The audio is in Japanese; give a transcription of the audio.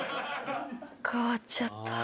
変わっちゃった。